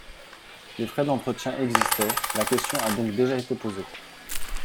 Les frais d’entretien existaient : la question a donc déjà été posée.